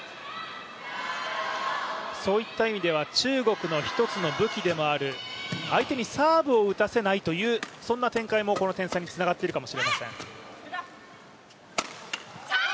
そういった意味では中国の１つの武器でもある相手にサーブを打たせないそんな展開もこの点差につながっているかもしれません。